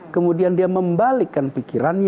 kemudian dia membalikkan program